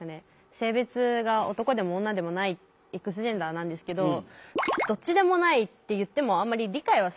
性別が男でも女でもないＸジェンダーなんですけどどっちでもないって言ってもあんまり理解はされないわけですよ。